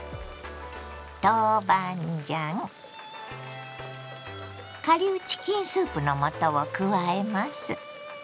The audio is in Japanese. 豆板醤顆粒チキンスープの素を加えます。